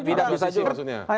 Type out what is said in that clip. tidak bisa juga